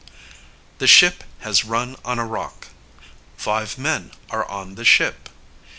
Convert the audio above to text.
] The ship has run on a rock. Five men are on the ship.